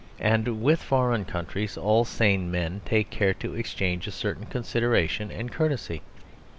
And with foreign countries all sane men take care to exchange a certain consideration and courtesy.